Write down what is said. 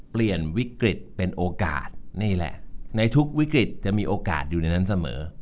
เปลี่ยนวิกฤตเป็นโอกาสนี่แหละในทุกวิกฤตจะมีโอกาสอยู่ในนั้นเสมอ